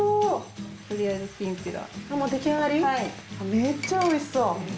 めっちゃ美味しそう。